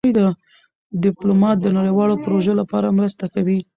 ډيپلومات د نړیوالو پروژو لپاره مرسته کوي.